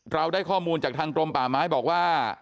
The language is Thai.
เราได้ข้อมูลจากทางกรมป่าไม้บอกว่า